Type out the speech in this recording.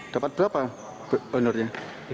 dapat berapa benernya